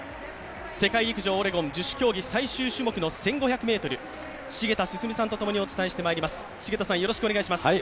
世界陸上オレゴン十種競技最終種目の１５００ｍ繁田進さんと共にお伝えしてまいります。